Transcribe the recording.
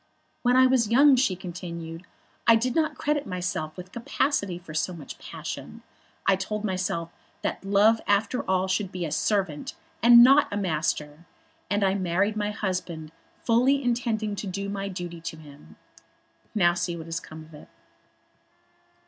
"When I was young," she continued, "I did not credit myself with capacity for so much passion. I told myself that love after all should be a servant and not a master, and I married my husband fully intending to do my duty to him. Now we see what has come of it."